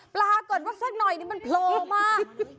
ปลาก่อนว่าแสงหน่อยนี้มันโพลมา